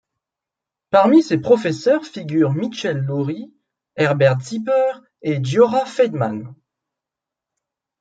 Parmi ses professeurs figurent Mitchell Lurie, Herbert Zipper et Giora Feidman.